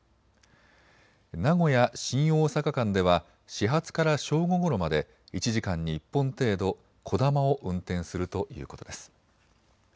名古屋・新大阪間では始発から正午ごろまで１時間に１本程度こだまを運転するということです。